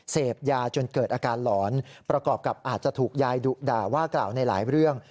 เสพยาจนเกิดอาการหลอนประกอบกับอาจจะถูกยายดุด่าว่ากล่าวในหลายเรื่อง